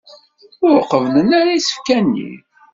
Ur qebblen ara isefka-nni.